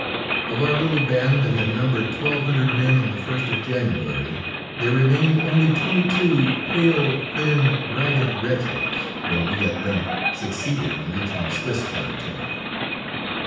Of our little band that had numbered twelve hundred men on the first of January, there remained only twenty two pale, thin, ragged wretches, when we at length succeeded in reaching Swiss territory.